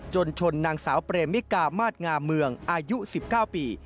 ชนนางสาวเปรมิกามาสงามเมืองอายุ๑๙ปี